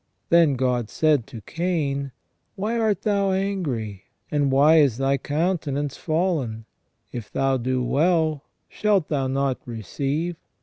Then God said to Cain :" Why art thou angry ? And why is thy countenance fallen ? If thou do well, shalt thou not receive